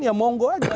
ya monggo aja